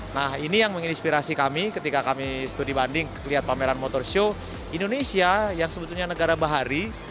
nah ini yang menginspirasi kami ketika kami studi banding lihat pameran motor show indonesia yang sebetulnya negara bahari